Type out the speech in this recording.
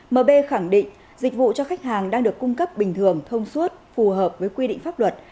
mb khẳng định dịch vụ cho khách hàng đang được cung cấp bình thường thông suốt phù hợp với quy định pháp luật